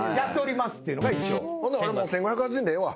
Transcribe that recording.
ほんなら俺もう１，５８０円でええわ。